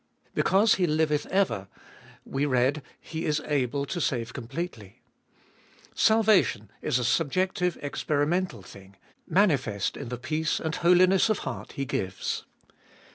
Because He liveth ever, we read, He is able to save completely. Salvation is a subjective, experimental thing — manifest in the peace and holiness of heart He gives.